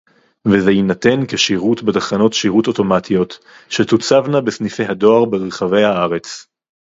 וזה יינתן כשירות בתחנות שירות אוטומטיות שתוצבנה בסניפי הדואר ברחבי הארץ